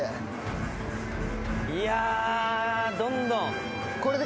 いやどんどん。